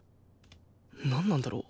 なんなんだろう？